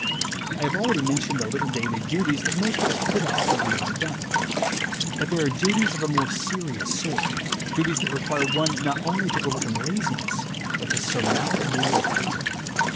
I have already mentioned the little daily duties that most of us put off or leave undone. But there are duties of a more serious sort, duties that require one not only to overcome laziness but to surmount moral fear.